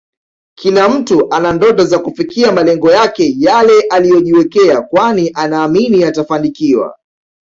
Kila mtu ana ndoto za kufikia malengo yake Yale aliyojiwekea kwani anaamini atafanikiwa